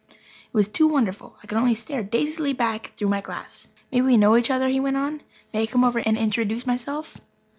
It was too wonderful. I could only stare dazedly back through my glass. "May we know each other?" he went on. "May I come over and introduce myself?